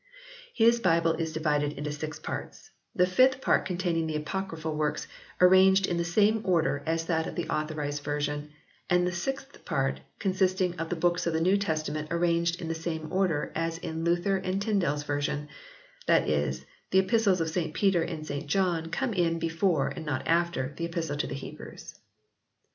His Bible is divided into six parts, the fifth part containing the Apocryphal books arranged in the same order as that of the Authorised Version ; and the sixth part consisting of the books of the New Testament arranged in the same order as in Luther and Tyndale s version, that is, the Epistles of St Peter and St John come in before and not after the Epistle to the Hebrews.